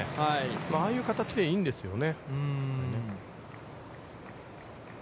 ああいう形でいいんですよね。